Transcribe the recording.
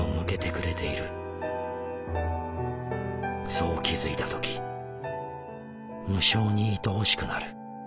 そう気づいた時無性に愛おしくなる。